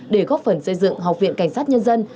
để góp phần xây dựng học viện cảnh sát nhân dân